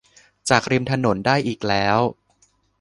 จากริมถนนได้อีกแล้ว